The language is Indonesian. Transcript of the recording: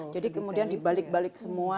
jadi kemudian dibalik balik semua